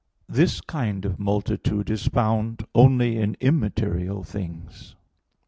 This kind of multitude is found only in immaterial things.